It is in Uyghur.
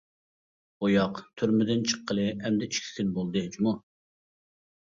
-بۇياق تۈرمىدىن چىققىلى ئەمدى ئىككى كۈن بولدى جۇمۇ.